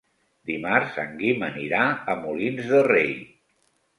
Dimarts en Guim anirà a Molins de Rei.